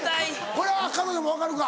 これは彼女も分かるか？